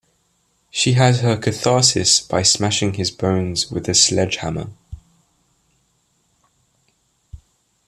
She has her catharsis by smashing his bones with a sledgehammer.